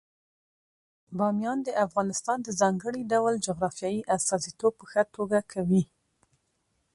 بامیان د افغانستان د ځانګړي ډول جغرافیې استازیتوب په ښه توګه کوي.